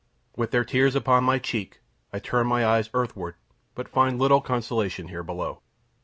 With their tears upon my cheek, I turn my eyes earthward, but find little consolation here below.